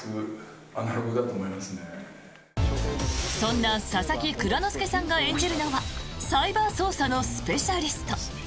そんな佐々木蔵之介さんが演じるのはサイバー捜査のスペシャリスト。